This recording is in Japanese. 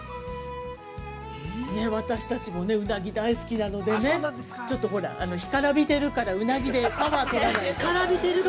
◆私たちもね、うなぎ大好きなのでね、ちょっとほら、干からびているから、うなぎでパワーを取らないと。